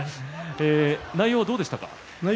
内容はどうですか？